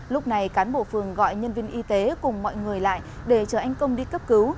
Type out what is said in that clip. lúc này cán bộ phường gọi nhân viên y tế cùng mọi người lại để chờ anh công đi cấp cứu